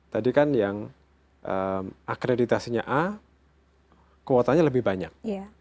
tadi kan yang akreditasinya a kuotanya lebih banyak